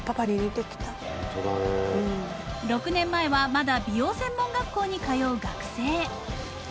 ［６年前はまだ美容専門学校に通う学生］